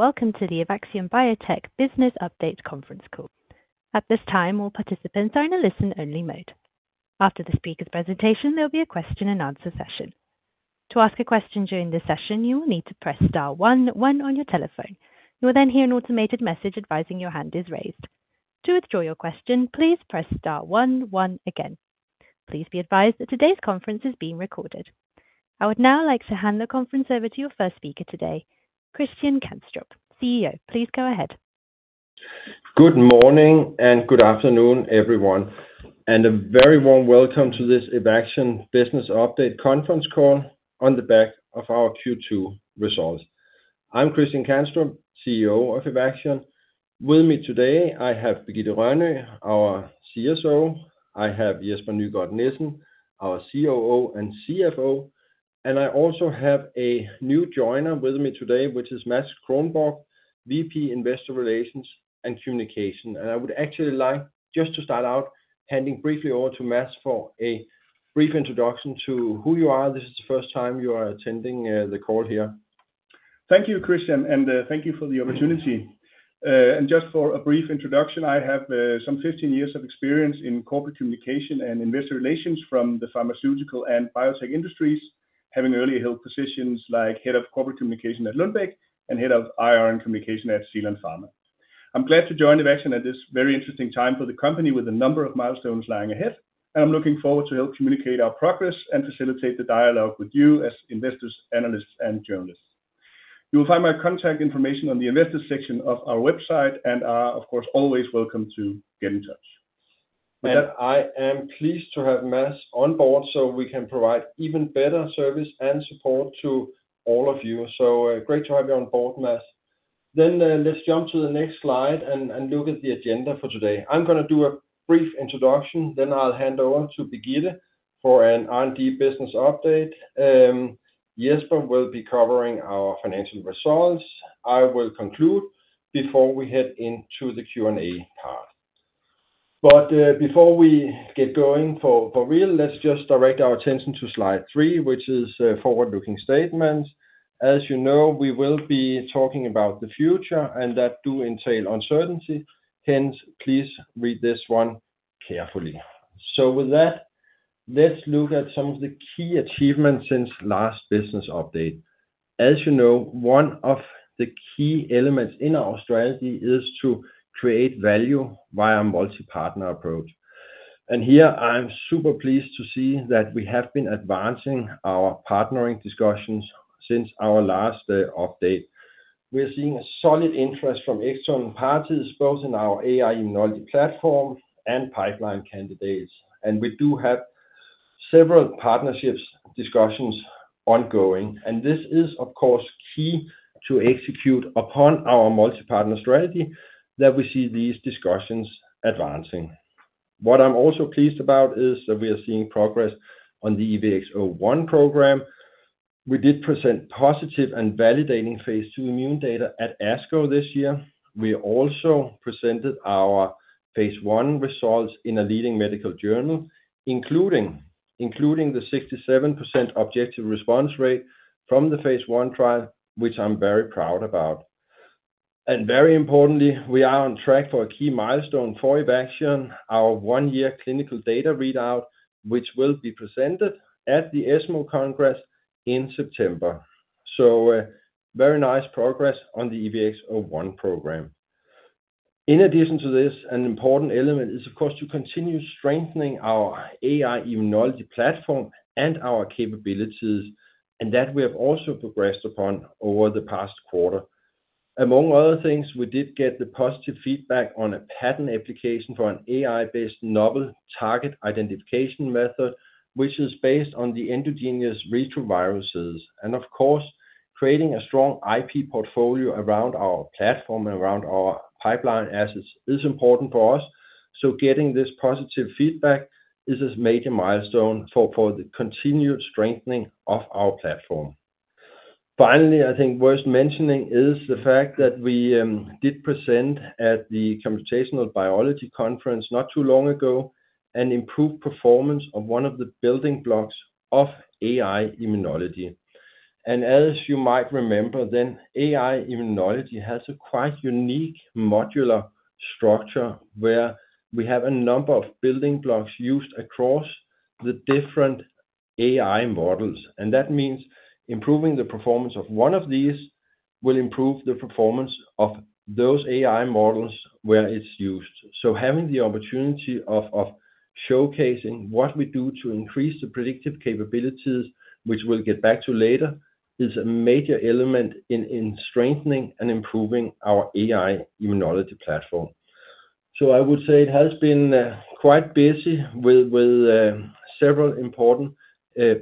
Welcome to the Evaxion Biotech business update conference call. At this time, all participants are in a listen-only mode. After the speaker's presentation, there'll be a question and answer session. To ask a question during this session, you will need to press * one one on your telephone. You will then hear an automated message advising your hand is raised. To withdraw your question, please press * one one again. Please be advised that today's conference is being recorded. I would now like to hand the conference over to your first speaker today, Christian Kanstrup, CEO. Please go ahead. Good morning and good afternoon, everyone, and a very warm welcome to this Evaxion business update conference call on the back of our Q2 results. I'm Christian Kanstrup, CEO of Evaxion. With me today, I have Birgitte Rønnø, our CSO. I have Jesper Nygård Nissen, our COO and CFO, and I also have a new joiner with me today, which is Mads Kronborg, VP, Investor Relations and Communication. And I would actually like just to start out handing briefly over to Mads for a brief introduction to who you are. This is the first time you are attending, the call here. Thank you, Christian, and thank you for the opportunity. And just for a brief introduction, I have some 15 years of experience in corporate communication and investor relations from the pharmaceutical and biotech industries, having earlier held positions like Head of Corporate Communication at Lundbeck and Head of IR and Communication at Zealand Pharma. I'm glad to join Evaxion at this very interesting time for the company, with a number of milestones lying ahead, and I'm looking forward to help communicate our progress and facilitate the dialogue with you as investors, analysts, and journalists. You will find my contact information on the investor section of our website and are, of course, always welcome to get in touch. I am pleased to have Mads on board so we can provide even better service and support to all of you. So, great to have you on board, Mads. Then, let's jump to the next slide and look at the agenda for today. I'm going to do a brief introduction, then I'll hand over to Birgitte for an R&D business update. Jesper will be covering our financial results. I will conclude before we head into the Q&A part. Before we get going for real, let's just direct our attention to slide three, which is forward-looking statements. As you know, we will be talking about the future, and that do entail uncertainty. Hence, please read this one carefully. With that, let's look at some of the key achievements since last business update. As you know, one of the key elements in our strategy is to create value via a multi-partner approach, and here I'm super pleased to see that we have been advancing our partnering discussions since our last update. We are seeing a solid interest from external parties, both in our AI-Immunology platform and pipeline candidates, and we do have several partnerships discussions ongoing. This is, of course, key to execute upon our multi-partner strategy that we see these discussions advancing. What I'm also pleased about is that we are seeing progress on the EVX-01 program. We did present positive and validating phase 2 immune data at ASCO this year. We also presented our phase 1 results in a leading medical journal, including the 67% objective response rate from the phase 1 trial, which I'm very proud about. Very importantly, we are on track for a key milestone for Evaxion, our one-year clinical data readout, which will be presented at the ESMO Congress in September. So, very nice progress on the EVX-01 program. In addition to this, an important element is, of course, to continue strengthening our AI immunology platform and our capabilities, and that we have also progressed upon over the past quarter. Among other things, we did get the positive feedback on a patent application for an AI-based novel target identification method, which is based on the endogenous retroviruses. And of course, creating a strong IP portfolio around our platform and around our pipeline assets is important for us, so getting this positive feedback, this is major milestone for, for the continued strengthening of our platform. Finally, I think worth mentioning is the fact that we did present at the computational biology conference not too long ago, an improved performance of one of the building blocks of AI immunology. And as you might remember, then AI immunology has a quite unique modular structure where we have a number of building blocks used across the different AI models, and that means improving the performance of one of these will improve the performance of those AI models where it's used. So having the opportunity of showcasing what we do to increase the predictive capabilities, which we'll get back to later, is a major element in strengthening and improving our AI immunology platform. So I would say it has been quite busy with several important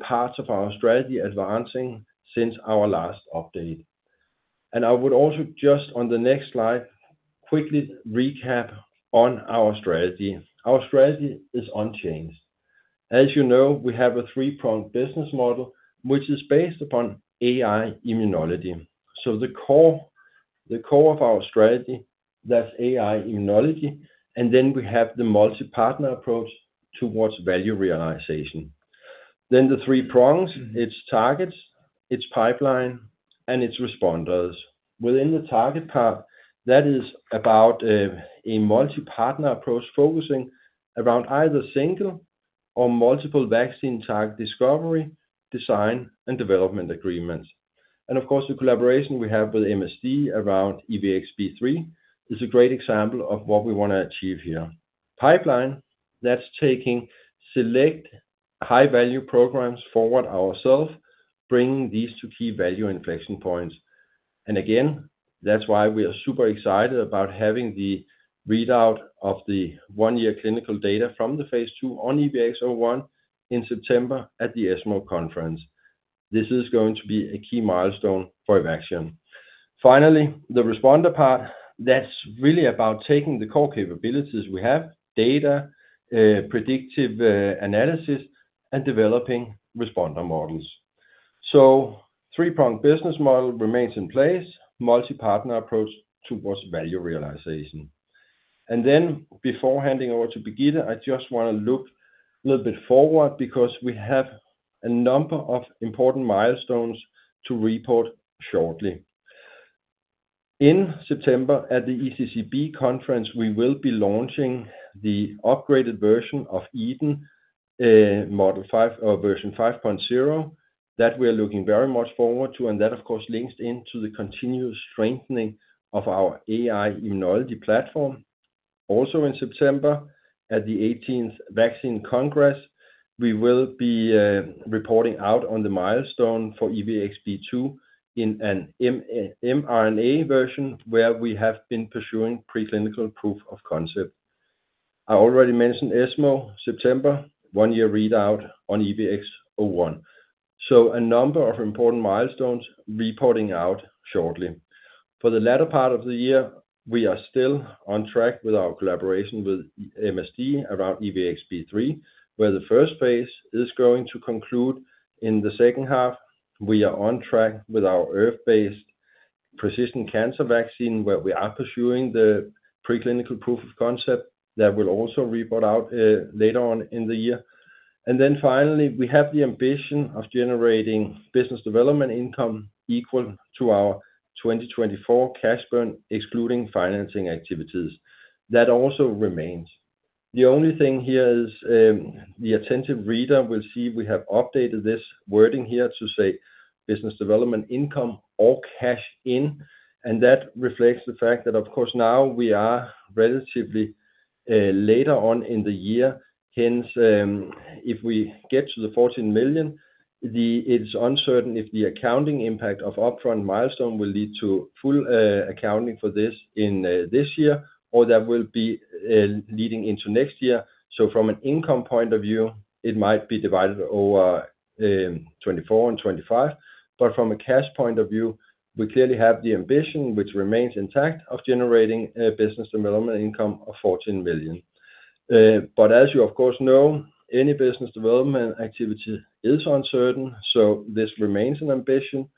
parts of our strategy advancing since our last update. And I would also, just on the next slide, quickly recap on our strategy. Our strategy is unchanged. As you know, we have a three-pronged business model, which is based upon AI immunology. So the core, the core of our strategy, that's AI immunology, and then we have the multi-partner approach towards value realization. Then the three prongs, it's targets, it's pipeline, and it's responders. Within the target part, that is about a multi-partner approach, focusing around either single or multiple vaccine target discovery, design, and development agreements. And of course, the collaboration we have with MSD around EVX-B3 is a great example of what we want to achieve here. Pipeline, that's taking select high-value programs forward ourselves, bringing these to key value inflection points. And again, that's why we are super excited about having the readout of the 1-year clinical data from the phase 2 on EVX-01 in September at the ESMO conference. This is going to be a key milestone for Evaxion. Finally, the responder part, that's really about taking the core capabilities we have, data, predictive analysis, and developing responder models. So three-prong business model remains in place, multi-partner approach towards value realization. And then, before handing over to Birgitte, I just want to look a little bit forward, because we have a number of important milestones to report shortly. In September, at the ECCB conference, we will be launching the upgraded version of EDEN model 5 or version 5.0. That we are looking very much forward to, and that, of course, links into the continuous strengthening of our AI immunology platform. In September, at the 18th Vaccine Congress, we will be reporting out on the milestone for EVX-B2 in an mRNA version, where we have been pursuing preclinical proof of concept. I already mentioned ESMO, September, one-year readout on EVX-01. A number of important milestones reporting out shortly. For the latter part of the year, we are still on track with our collaboration with MSD around EVX-B3, where the first phase is going to conclude in the second half. We are on track with our ERV-based precision cancer vaccine, where we are pursuing the preclinical proof of concept. That will also report out later on in the year. Then finally, we have the ambition of generating business development income equal to our 2024 cash burn, excluding financing activities. That also remains. The only thing here is, the attentive reader will see we have updated this wording here to say, "Business development, income or cash in," and that reflects the fact that, of course, now we are relatively, later on in the year. Hence, if we get to the $14 million, it's uncertain if the accounting impact of upfront milestone will lead to full, accounting for this in, this year, or that will be, leading into next year. So from an income point of view, it might be divided over 2024 and 2025. But from a cash point of view, we clearly have the ambition, which remains intact, of generating a business development income of $14 million. But as you of course know, any business development activity is uncertain, so this remains an ambition.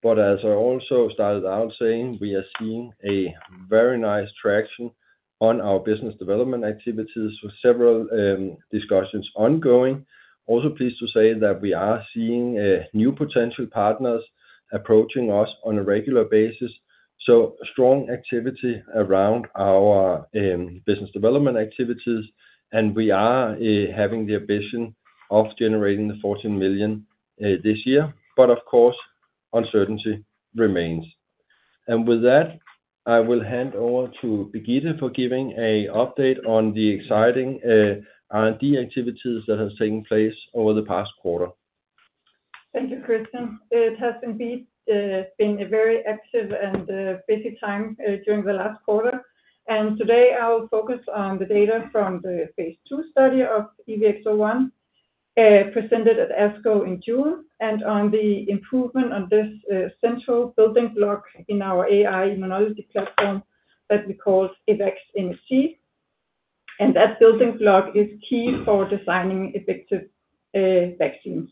But as I also started out saying, we are seeing a very nice traction on our business development activities, with several discussions ongoing. Also pleased to say that we are seeing new potential partners approaching us on a regular basis. So strong activity around our business development activities, and we are having the ambition of generating the $14 million this year. But of course, uncertainty remains. And with that, I will hand over to Birgitte for giving a update on the exciting R&D activities that have taken place over the past quarter. Thank you, Kristian. It has indeed been a very active and busy time during the last quarter. Today, I will focus on the data from the phase 2 study of EVX-01 presented at ASCO in June, and on the improvement on this central building block in our AI-Immunology platform that we call EvaxMHC. That building block is key for designing effective vaccines.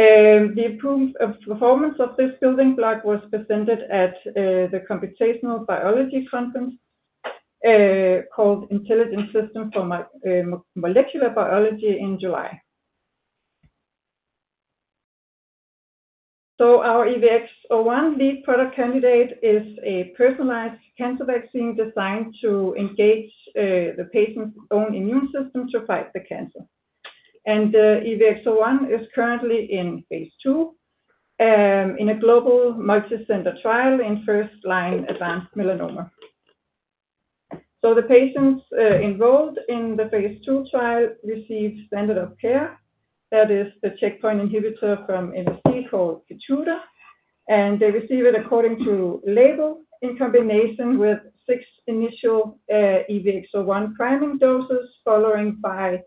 The improved performance of this building block was presented at the Computational Biology Conference called Intelligent Systems for Molecular Biology in July. Our EVX-01 lead product candidate is a personalized cancer vaccine designed to engage the patient's own immune system to fight the cancer. EVX-01 is currently in phase 2 in a global multi-center trial in first-line advanced melanoma. So the patients enrolled in the phase 2 trial received standard of care. That is the checkpoint inhibitor from MSD, called Keytruda, and they receive it according to label in combination with 6 initial EVX-01 priming doses, followed by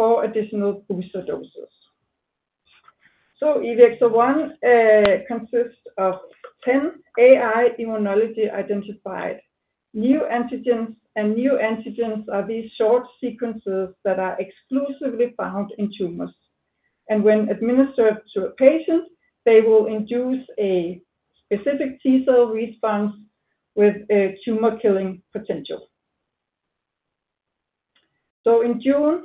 4 additional booster doses. So EVX-01 consists of 10 AI immunology-identified new antigens, and new antigens are these short sequences that are exclusively found in tumors. And when administered to a patient, they will induce a specific T-cell response with a tumor-killing potential. So in June,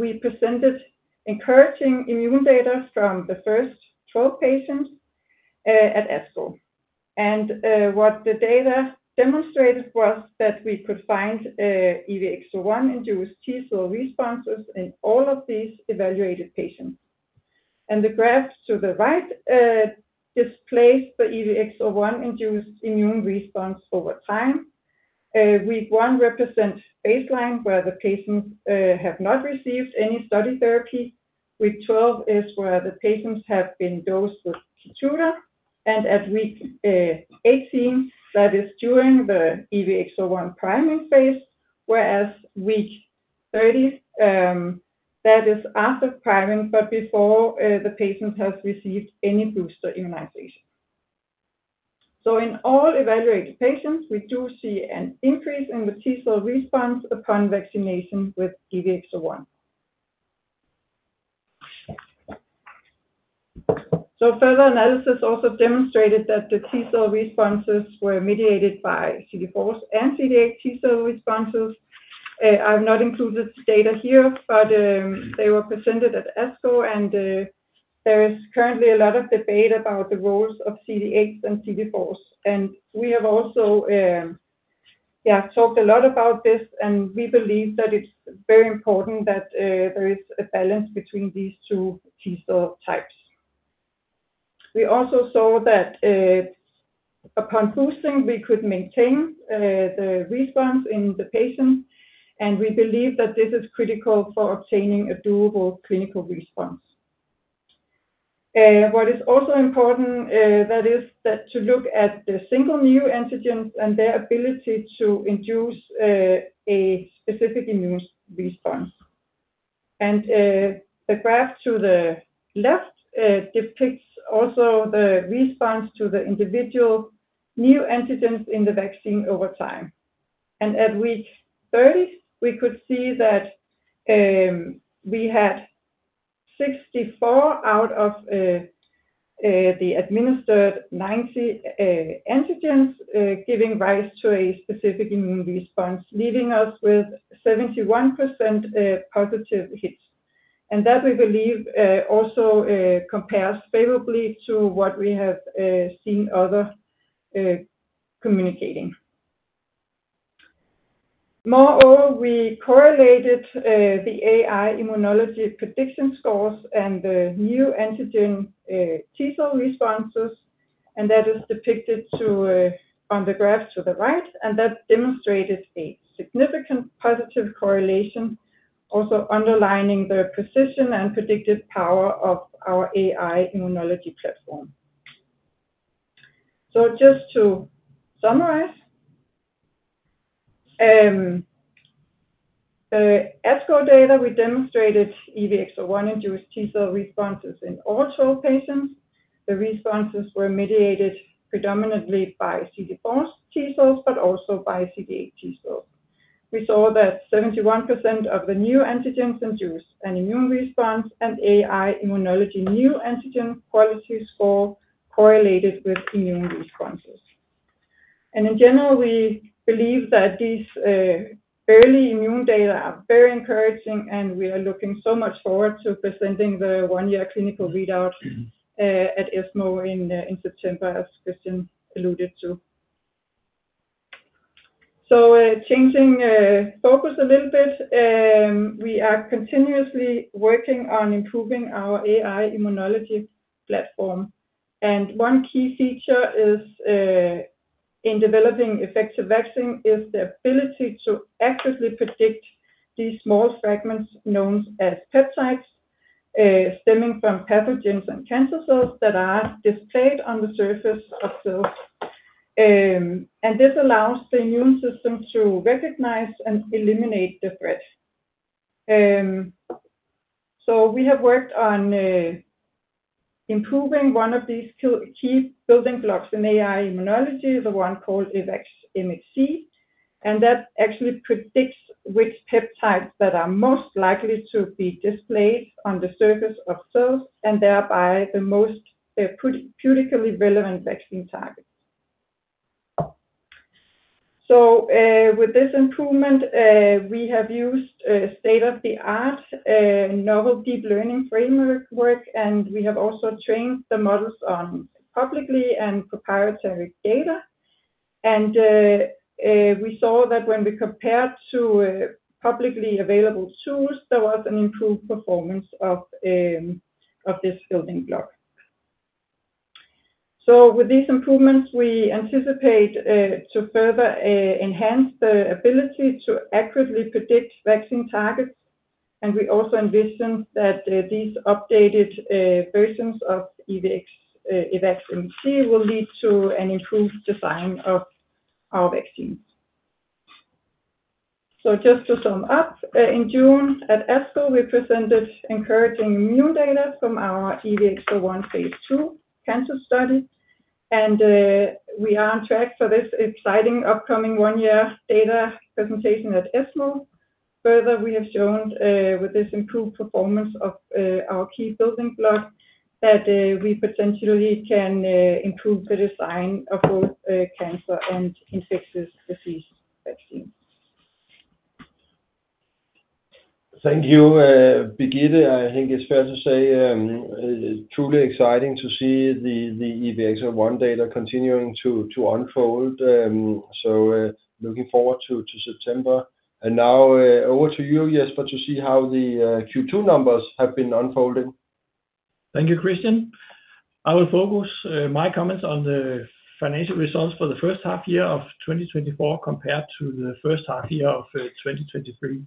we presented encouraging immune data from the first 12 patients at ASCO. And what the data demonstrated was that we could find EVX-01 induced T-cell responses in all of these evaluated patients. And the graph to the right displays the EVX-01 induced immune response over time. Week 1 represent baseline, where the patients have not received any study therapy. Week 12 is where the patients have been dosed with Keytruda, and at week 18, that is during the EVX-01 priming phase, whereas week 30, that is after priming, but before the patient has received any booster immunization. So in all evaluated patients, we do see an increase in the T cell response upon vaccination with EVX-01. So further analysis also demonstrated that the T cell responses were mediated by CD4 and CD8 T cell responses. I've not included this data here, but they were presented at ASCO, and there is currently a lot of debate about the roles of CD8 and CD4. We have also talked a lot about this, and we believe that it's very important that there is a balance between these two T-cell types. We also saw that upon boosting, we could maintain the response in the patient, and we believe that this is critical for obtaining a durable clinical response. What is also important, that is, that to look at the single new antigens and their ability to induce a specific immune response. The graph to the left depicts also the response to the individual new antigens in the vaccine over time. At week 30, we could see that we had 64 out of the administered 90 antigens giving rise to a specific immune response, leaving us with 71% positive hits. And that, we believe, also compares favorably to what we have seen other communicating. Moreover, we correlated the AI-Immunology prediction scores and the new antigen T-cell responses, and that is depicted on the graph to the right, and that demonstrated a significant positive correlation, also underlining the precision and predictive power of our AI-Immunology platform. So just to summarize, the ASCO data, we demonstrated EVX-01 induced T-cell responses in all 12 patients. The responses were mediated predominantly by CD4 T-cells, but also by CD8 T-cells. We saw that 71% of the new antigens induced an immune response, and AI-Immunology new antigen quality score correlated with immune responses. And in general, we believe that these early immune data are very encouraging, and we are looking so much forward to presenting the one-year clinical readout at ESMO in September, as Christian alluded to. So, changing focus a little bit, we are continuously working on improving our AI-Immunology platform. And one key feature is in developing effective vaccine, is the ability to accurately predict these small fragments known as peptides stemming from pathogens and cancer cells that are displayed on the surface of cells. And this allows the immune system to recognize and eliminate the threat. So we have worked on improving one of these two key building blocks in AI-Immunology, the one called EvaxMHC, and that actually predicts which peptides that are most likely to be displayed on the surface of cells, and thereby the most immunologically relevant vaccine targets. So with this improvement, we have used state-of-the-art novel deep learning framework, and we have also trained the models on public and proprietary data. And we saw that when we compared to publicly available tools, there was an improved performance of this building block. So with these improvements, we anticipate to further enhance the ability to accurately predict vaccine targets, and we also envision that these updated versions of EVX EvaxMHC will lead to an improved design of our vaccines. So just to sum up, in June at ASCO, we presented encouraging new data from our EVX-01 phase II cancer study, and we are on track for this exciting upcoming one-year data presentation at ESMO. Further, we have shown with this improved performance of our key building block that we potentially can improve the design of both cancer and infectious disease vaccine. Thank you, Birgitte. I think it's fair to say, it's truly exciting to see the EVX-01 data continuing to unfold. So, looking forward to September. And now, over to you, Jesper, to see how the Q2 numbers have been unfolding. Thank you, Christian. I will focus my comments on the financial results for the first half year of 2024, compared to the first half year of 2023.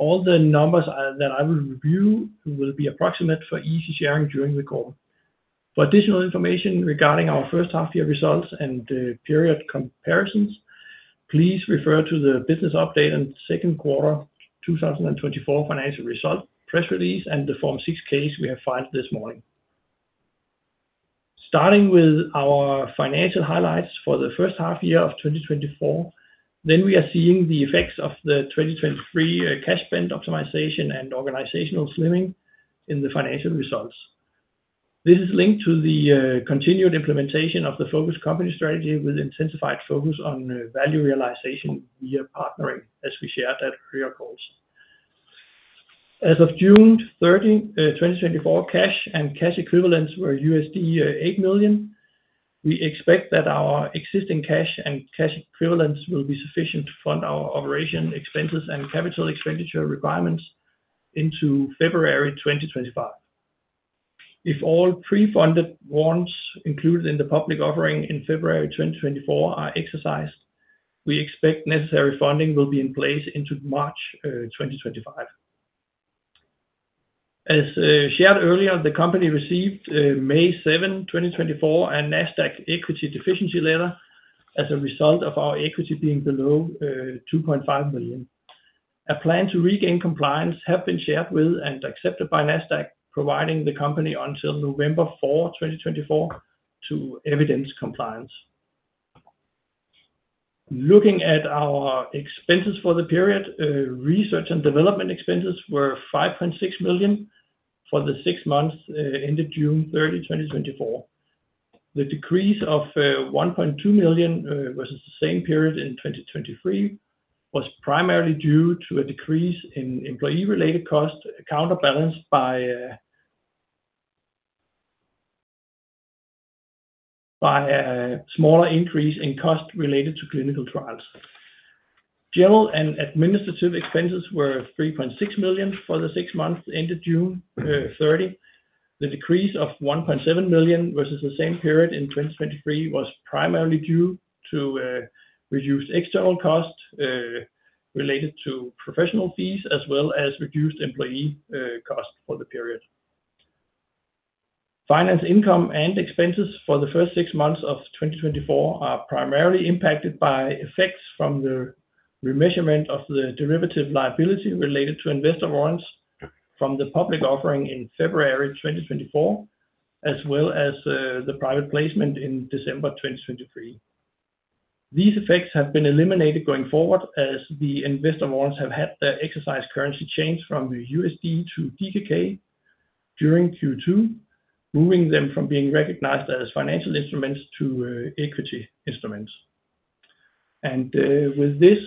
All the numbers that I will review will be approximate for easy sharing during the call. For additional information regarding our first half year results and period comparisons, please refer to the business update and Q2 2024 financial result press release, and the Form 6-K we have filed this morning. Starting with our financial highlights for the first half year of 2024, then we are seeing the effects of the 2023 cash spend optimization and organizational slimming in the financial results. This is linked to the continued implementation of the focused company strategy with intensified focus on value realization via partnering, as we shared at earlier calls. As of June 13, 2024, cash and cash equivalents were $8 million. We expect that our existing cash and cash equivalents will be sufficient to fund our operating expenses and capital expenditure requirements into February 2025. If all pre-funded warrants included in the public offering in February 2024 are exercised, we expect necessary funding will be in place into March 2025. As shared earlier, the company received May 7, 2024, a Nasdaq equity deficiency letter as a result of our equity being below $2.5 million. A plan to regain compliance have been shared with and accepted by Nasdaq, providing the company until November 4, 2024, to evidence compliance. Looking at our expenses for the period, research and development expenses were $5.6 million for the six months, end of June 30, 2024. The decrease of $1.2 million versus the same period in 2023 was primarily due to a decrease in employee-related costs, counterbalanced by a smaller increase in costs related to clinical trials. General and administrative expenses were $3.6 million for the six months, end of June 30. The decrease of $1.7 million versus the same period in 2023 was primarily due to reduced external costs related to professional fees, as well as reduced employee costs for the period. Finance income and expenses for the first six months of 2024 are primarily impacted by effects from the remeasurement of the derivative liability related to investor warrants from the public offering in February 2024, as well as, the private placement in December 2023. These effects have been eliminated going forward, as the investor warrants have had their exercise currency changed from the USD to DKK during Q2, moving them from being recognized as financial instruments to, equity instruments. And, with this,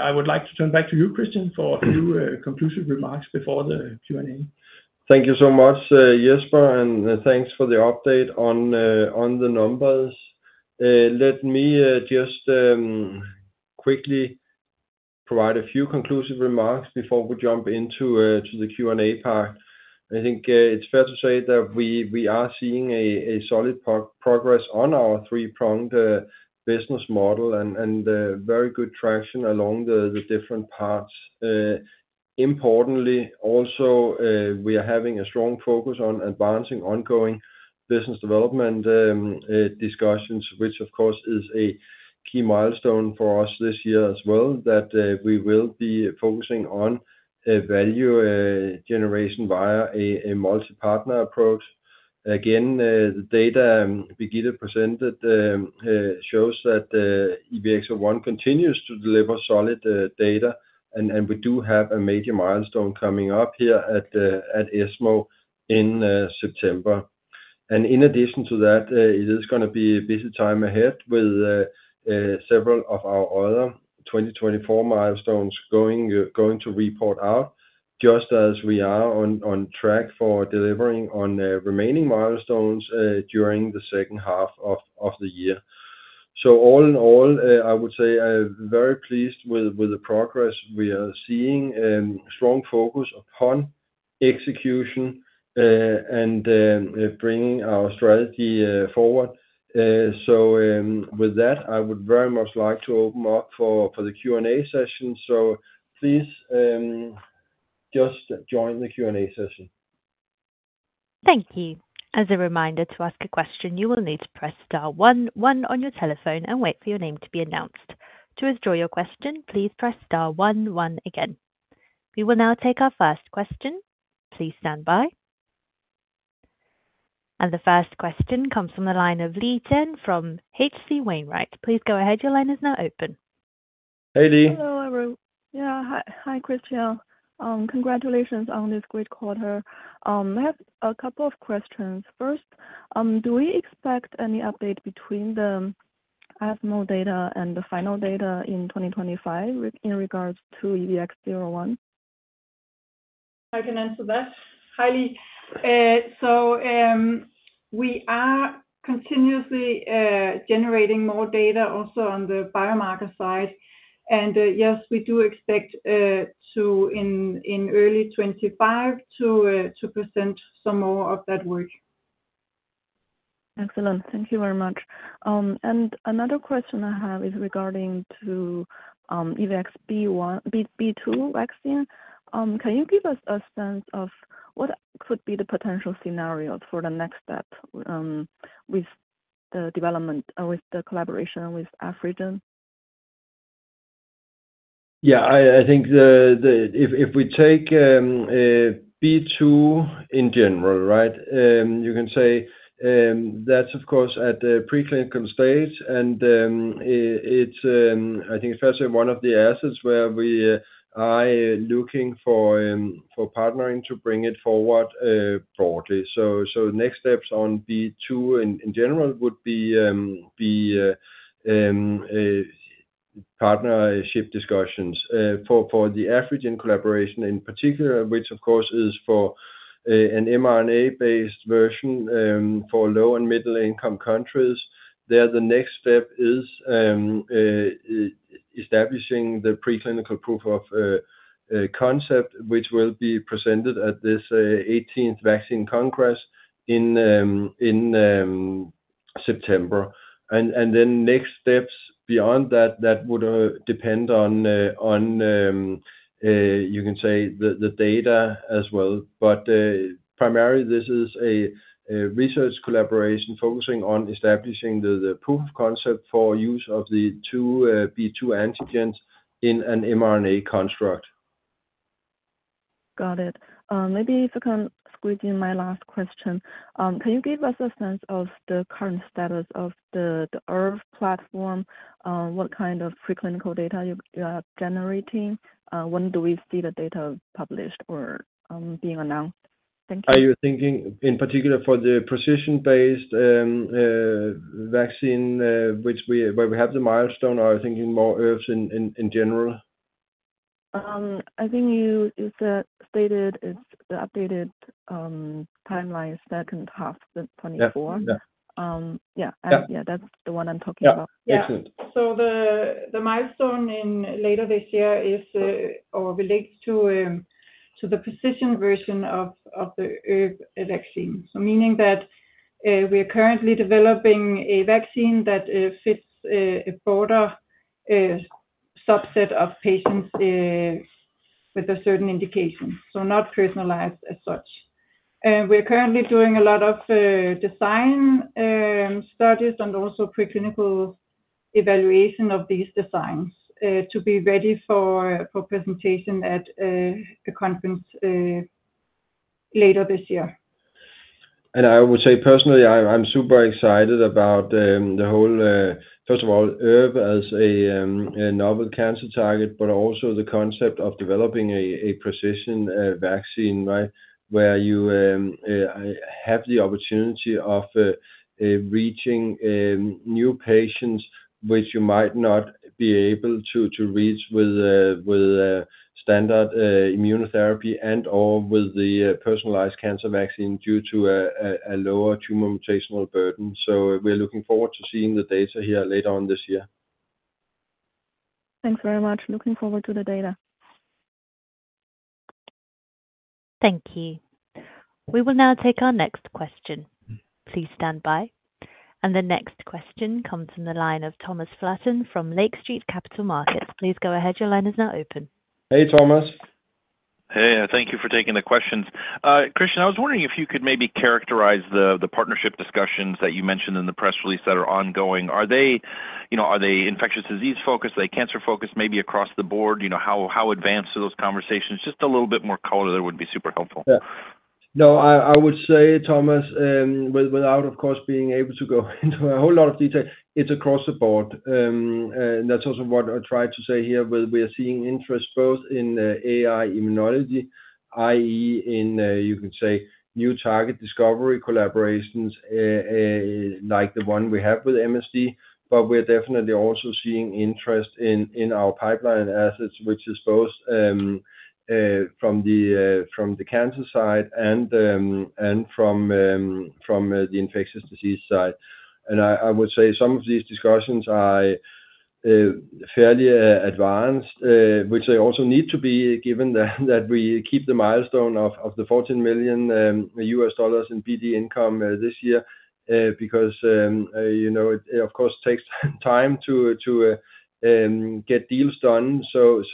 I would like to turn back to you, Christian, for a few, conclusive remarks before the Q&A. Thank you so much, Jesper, and, thanks for the update on, on the numbers. Let me, just, quickly provide a few conclusive remarks before we jump into, to the Q&A part. I think, it's fair to say that we, we are seeing a, a solid progress on our three-pronged, business model and, and, very good traction along the, the different parts. Importantly, also, we are having a strong focus on advancing ongoing business development, discussions, which of course, is a key milestone for us this year as well, that, we will be focusing on, value, generation via a, a multi-partner approach. Again, the data Birgitte presented shows that EVX-01 continues to deliver solid data, and we do have a major milestone coming up here at ESMO in September. And in addition to that, it is gonna be a busy time ahead with several of our other 2024 milestones going to report out, just as we are on track for delivering on remaining milestones during the second half of the year. So all in all, I would say I'm very pleased with the progress we are seeing, strong focus upon execution, and bringing our strategy forward. So, with that, I would very much like to open up for the Q&A session. So please, just join the Q&A session. Thank you. As a reminder, to ask a question, you will need to press * one one on your telephone and wait for your name to be announced. To withdraw your question, please press * one one again. We will now take our first question. Please stand by. The first question comes from the line of Yi Chen from H.C. Wainwright. Please go ahead. Your line is now open. Hey, Lee. Hello, everyone. Yeah, hi, hi, Christian. Congratulations on this great quarter. I have a couple of questions. First, do we expect any update between the ESMO data and the final data in 2025 in regards to EVX-01? I can answer that, hi, Lee. So, we are continuously generating more data also on the biomarker side, and yes, we do expect, in early 2025, to present some more of that work. Excellent. Thank you very much. And another question I have is regarding to EVX-B1, B2 vaccine. Can you give us a sense of what could be the potential scenario for the next step with the development or with the collaboration with Afrigen? Yeah, I think if we take B2 in general, right? You can say, that's of course at the preclinical stage, and it's, I think, first of all, one of the assets where we are looking for partnering to bring it forward, broadly. So next steps on B2 in general would be partnership discussions. For the Afrigen collaboration in particular, which of course is for an mRNA-based version for low- and middle-income countries. There, the next step is establishing the preclinical proof of concept, which will be presented at this eighteenth Vaccine Congress in September. Then next steps beyond that would depend on, you can say, the data as well. But primarily, this is a research collaboration focusing on establishing the proof of concept for use of the two B2 antigens in an mRNA construct. Got it. Maybe if I can squeeze in my last question. Can you give us a sense of the current status of the ERV platform? What kind of preclinical data you're generating? When do we see the data published or being announced? Thank you. Are you thinking in particular for the precision-based vaccine, which we, where we have the milestone, or are you thinking more ERV in general? I think you, you said, stated it's the updated timeline is second half of 2024. Yeah. Yeah. yeah. Yeah. Yeah, that's the one I'm talking about. Yeah. Yeah. So the milestone in later this year is or relates to the precision version of the ERV vaccine. So meaning that we are currently developing a vaccine that fits a broader subset of patients with a certain indication, so not personalized as such. We're currently doing a lot of design studies and also preclinical evaluation of these designs to be ready for presentation at a conference later this year. I would say personally, I'm super excited about the whole, first of all, ERV as a novel cancer target, but also the concept of developing a precision vaccine, right? Where you have the opportunity of reaching new patients, which you might not be able to reach with a standard immunotherapy and/or with the personalized cancer vaccine due to a lower tumor mutational burden. So we're looking forward to seeing the data here later on this year. Thanks very much. Looking forward to the data. Thank you. We will now take our next question. Please stand by. The next question comes from the line of Thomas Flaten from Lake Street Capital Markets. Please go ahead. Your line is now open. Hey, Thomas. Hey, thank you for taking the questions. Christian, I was wondering if you could maybe characterize the partnership discussions that you mentioned in the press release that are ongoing. Are they, you know, are they infectious disease focused, are they cancer focused, maybe across the board? You know, how advanced are those conversations? Just a little bit more color there would be super helpful. Yeah. No, I would say, Thomas, without, of course, being able to go into a whole lot of detail, it's across the board. And that's also what I tried to say here, where we are seeing interest both in AI immunology, i.e., in you could say, new target discovery collaborations, like the one we have with MSD. But we're definitely also seeing interest in our pipeline assets, which is both from the cancer side and from the infectious disease side. And I would say some of these discussions are fairly advanced, which they also need to be, given that we keep the milestone of the $14 million in BD income this year. Because, you know, it, of course, takes time to get deals done. So,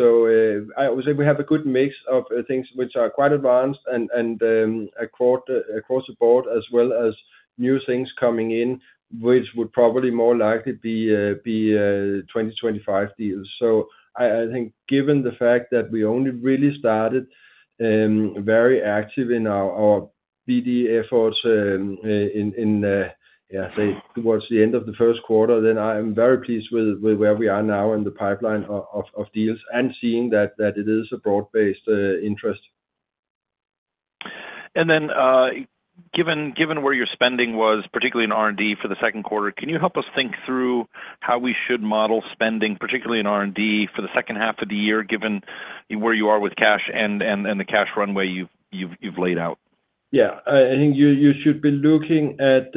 I would say we have a good mix of things which are quite advanced and across the board, as well as new things coming in, which would probably more likely be 2025 deals. So I think given the fact that we only really started very active in our BD efforts towards the end of the Q1, then I am very pleased with where we are now in the pipeline of deals, and seeing that it is a broad-based interest. And then, given where your spending was, particularly in R&D for the Q2, can you help us think through how we should model spending, particularly in R&D, for the second half of the year, given where you are with cash and the cash runway you've laid out? Yeah. I think you should be looking at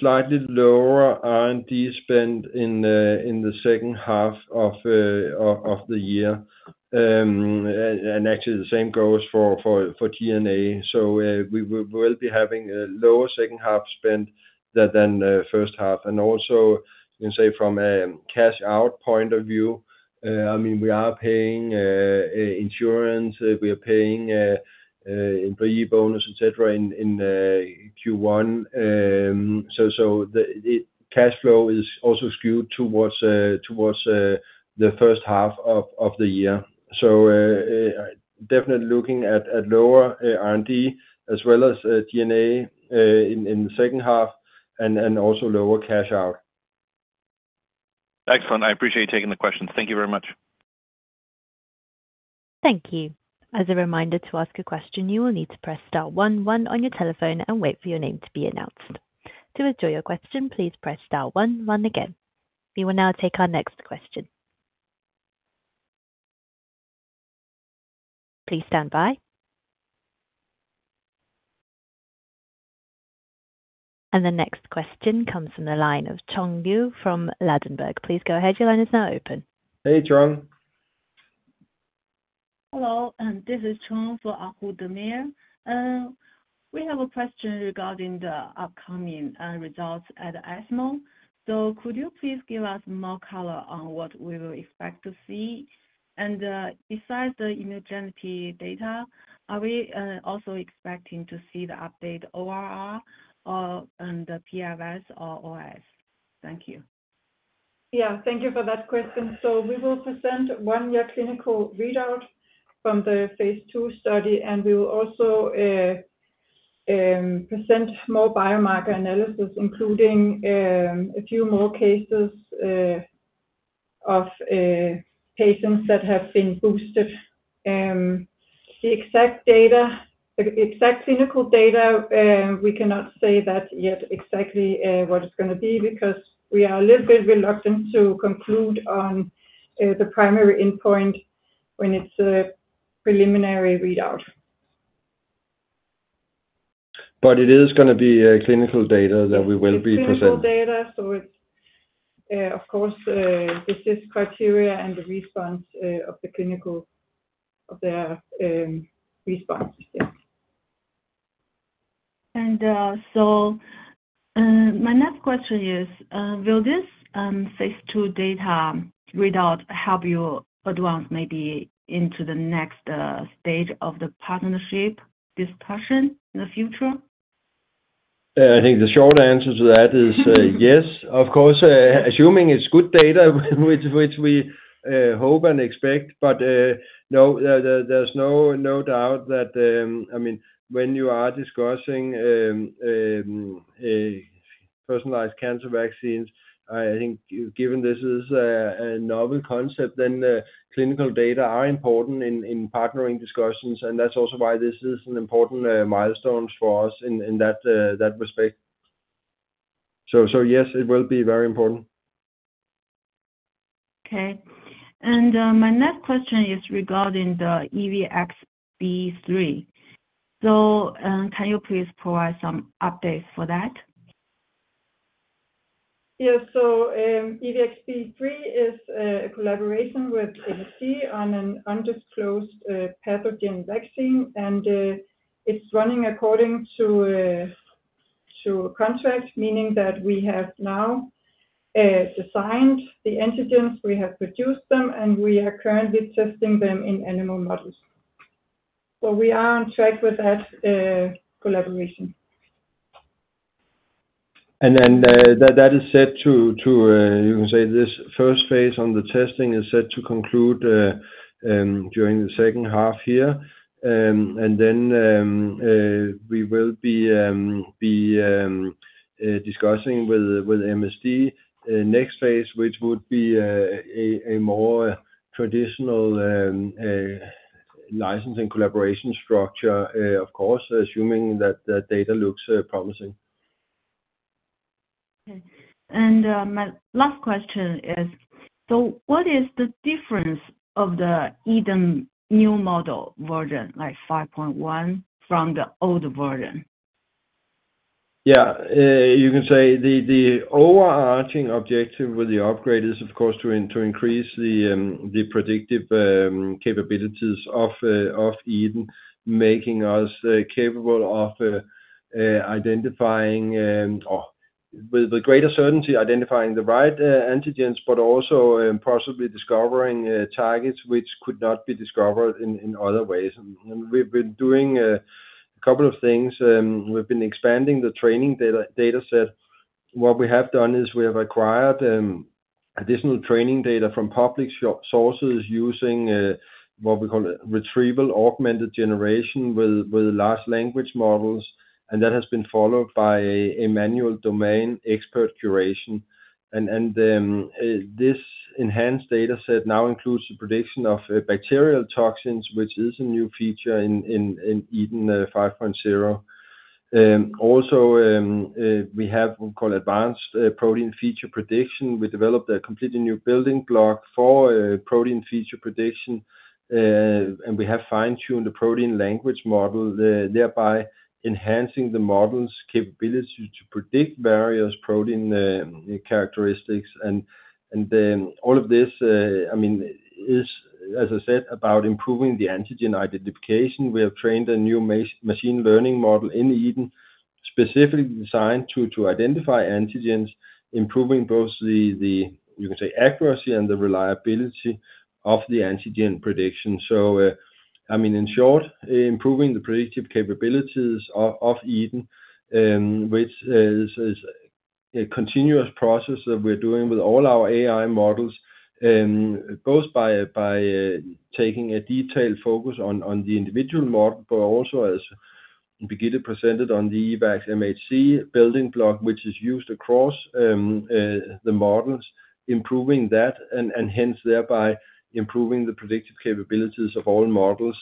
slightly lower R&D spend in the second half of the year. And actually the same goes for G&A. So we will be having a lower second half spend than first half. And also, you can say from a cash out point of view, I mean, we are paying insurance, we are paying employee bonus, et cetera, in Q1. So the cash flow is also skewed towards the first half of the year. So definitely looking at lower R&D as well as G&A in the second half, and also lower cash out. Excellent. I appreciate you taking the questions. Thank you very much. Thank you. As a reminder, to ask a question, you will need to press * one one on your telephone and wait for your name to be announced. To withdraw your question, please press * one one again. We will now take our next question. Please stand by. And the next question comes from the line of Chung Yu from Ladenburg. Please go ahead, your line is now open. Hey, Chung. Hello, and this is Chung for Ahu Demir. We have a question regarding the upcoming results at ASCO. Could you please give us more color on what we will expect to see? Besides the immunogenicity data, are we also expecting to see the updated ORR, and the PFS or OS? Thank you. Yeah, thank you for that question. So we will present one-year clinical readout from the phase two study, and we will also present more biomarker analysis, including a few more cases of patients that have been boosted. The exact data, the exact clinical data, we cannot say that yet exactly, what it's gonna be, because we are a little bit reluctant to conclude on the primary endpoint when it's a preliminary readout. But it is gonna be clinical data that we will be presenting. It's clinical data, so it's, of course, this is criteria and the response, of the clinical, of their, responses. Yes. My next question is, will this phase 2 data readout help you advance maybe into the next stage of the partnership discussion in the future? I think the short answer to that is yes. Of course, assuming it's good data, which we hope and expect. But no, there's no doubt that, I mean, when you are discussing a personalized cancer vaccines, I think given this is a novel concept, then the clinical data are important in partnering discussions. And that's also why this is an important milestone for us in that respect. So yes, it will be very important. Okay. And, my next question is regarding the EVX-B3. So, can you please provide some updates for that? Yeah. So, EVX-B3 is a collaboration with MSD on an undisclosed pathogen vaccine. It's running according to a contract, meaning that we have now designed the antigens, we have produced them, and we are currently testing them in animal models. So we are on track with that collaboration. And then, that is set to, you can say this first phase on the testing is set to conclude during the second half here. And then, we will be discussing with MSD next phase, which would be a more traditional licensing collaboration structure, of course, assuming that the data looks promising. Okay. My last question is, so what is the difference of the EDEN new model version, like 5.1, from the old version? Yeah. You can say the overarching objective with the upgrade is, of course, to increase the predictive capabilities of EDEN, making us capable of identifying or with the greater certainty, identifying the right antigens, but also possibly discovering targets which could not be discovered in other ways. And we've been doing a couple of things. We've been expanding the training data set. What we have done is we have acquired additional training data from public sources using what we call retrieval augmented generation with large language models, and that has been followed by a manual domain expert curation. This enhanced data set now includes the prediction of bacterial toxins, which is a new feature in EDEN 5.0. Also, we have what we call advanced protein feature prediction. We developed a completely new building block for protein feature prediction. And we have fine-tuned the protein language model, thereby enhancing the model's capability to predict various protein characteristics. And then all of this, I mean, is, as I said, about improving the antigen identification. We have trained a new machine learning model in EDEN, specifically designed to identify antigens, improving both the accuracy and the reliability of the antigen prediction. So, I mean, in short, improving the predictive capabilities of EDEN, which is a continuous process that we're doing with all our AI models, both by taking a detailed focus on the individual model, but also as Birgitte presented on the EvaxMHC building block, which is used across the models, improving that and hence thereby improving the predictive capabilities of all models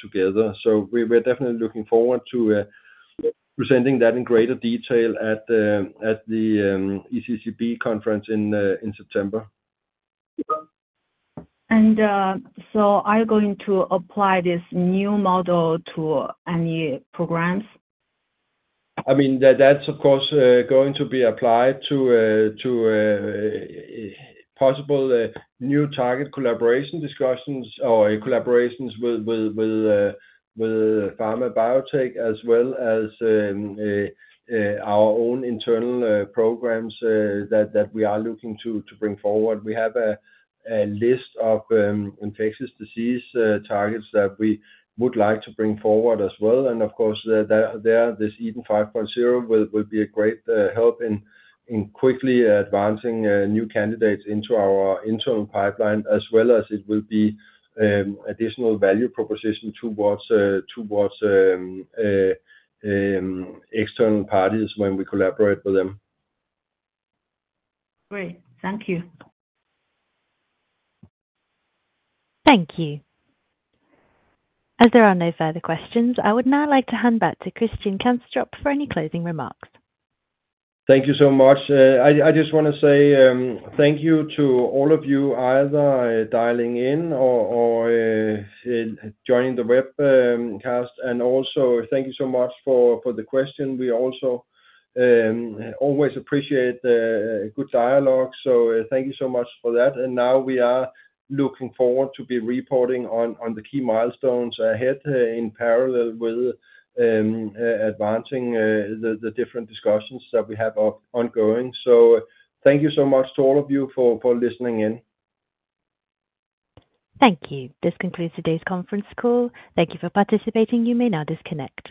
together. So we're definitely looking forward to presenting that in greater detail at the ECCB conference in September. And, so are you going to apply this new model to any programs? I mean, that's, of course, going to be applied to, to possible new target collaboration discussions or collaborations with, with, with with pharma biotech, as well as, our own internal programs, that, that we are looking to, to bring forward. We have a, a list of, infectious disease, targets that we would like to bring forward as well. And of course, there, there, this EDEN 5.0 will, will be a great, help in, in quickly advancing, new candidates into our internal pipeline, as well as it will be, additional value proposition towards, towards, external parties when we collaborate with them. Great. Thank you. Thank you. As there are no further questions, I would now like to hand back to Christian Kanstrup for any closing remarks. Thank you so much. I just want to say thank you to all of you, either dialing in or joining the webcast, and also thank you so much for the question. We also always appreciate a good dialogue, so thank you so much for that. And now we are looking forward to be reporting on the key milestones ahead in parallel with advancing the different discussions that we have of ongoing. So thank you so much to all of you for listening in. Thank you. This concludes today's conference call. Thank you for participating. You may now disconnect.